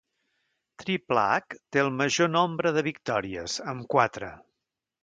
Triple H té el major nombre de victòries, amb quatre.